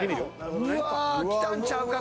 うわきたんちゃうか？